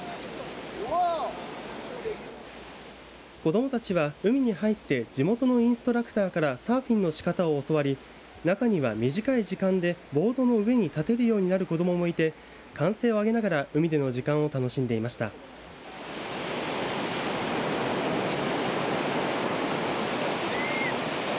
子どもたちは海に入って地元のインストラクターからサーフィンのしかたを教わり中には短い時間でボードの上に立てるようになる子どももいて歓声を上げながら海での時間を楽しんでいました。